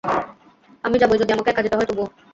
আমি যাবোই, যদি আমাকে একা যেতে হয় তবুও!